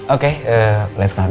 oke kita mulai pertemuan